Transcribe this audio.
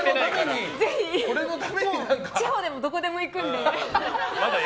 地方でもどこでも行くので。